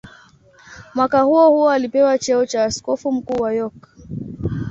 Mwaka huohuo alipewa cheo cha askofu mkuu wa York.